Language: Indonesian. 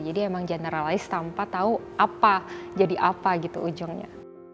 jadi emang generalis tanpa tahu apa jadi apa gitu ujungnya